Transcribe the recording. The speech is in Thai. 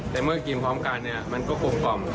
แต่เมื่อกินพร้อมกันมันก็กลม